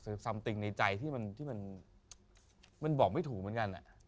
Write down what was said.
อะไรในใจที่มันบอกไม่ถูกเหมือนกัน